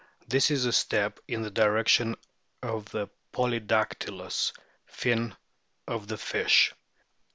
This is a step in the direction of the polydactylous fin of the fish.